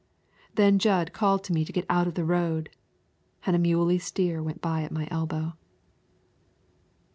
Then Jud called to me to get out of the road, and a muley steer went by at my elbow.